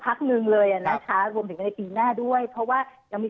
พักหนึ่งเลยอ่ะนะคะรวมถึงในปีหน้าด้วยเพราะว่ายังมี